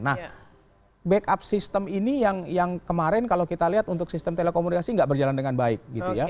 nah backup system ini yang kemarin kalau kita lihat untuk sistem telekomunikasi tidak berjalan dengan baik